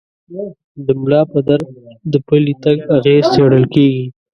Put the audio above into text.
د ملا پر درد د پلي تګ اغېز څېړل کېږي.